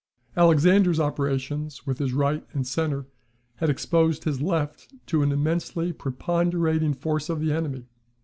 Alexander's operations with his right and centre had exposed his left to an immensely preponderating force of the enemy.